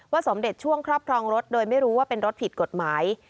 สมเด็จช่วงครอบครองรถโดยไม่รู้ว่าเป็นรถผิดกฎหมาย